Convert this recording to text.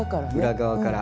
裏側から。